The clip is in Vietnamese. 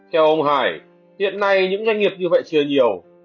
theo ông hải hiện nay những doanh nghiệp như vậy chưa nhiều